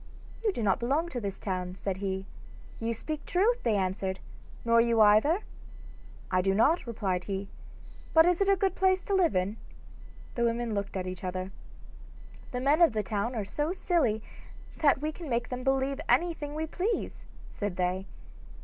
'You do not belong to this town,' said he. 'You speak truth,' they answered, 'nor you either?' 'I do not,' replied he, 'but is it a good place to live in?' The women looked at each other. 'The men of the town are so silly that we can make them believe anything we please,' said they.